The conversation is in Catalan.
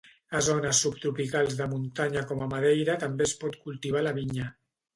A zones subtropicals de muntanya com a Madeira també es pot cultivar la vinya.